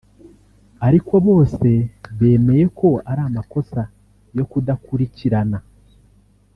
ariko bose bemeye ko ari amakosa yo kudakurikirana